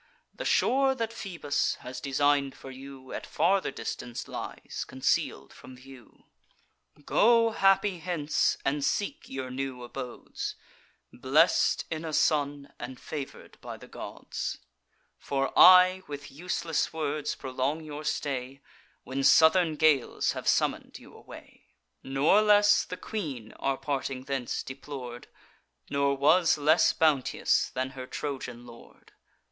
The shore that Phoebus has design'd for you, At farther distance lies, conceal'd from view. Go happy hence, and seek your new abodes, Blest in a son, and favour'd by the gods: For I with useless words prolong your stay, When southern gales have summon'd you away.' "Nor less the queen our parting thence deplor'd, Nor was less bounteous than her Trojan lord.